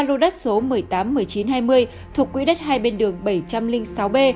ba lô đất số một trăm tám mươi một nghìn chín trăm hai mươi thuộc quỹ đất hai bên đường bảy trăm linh sáu b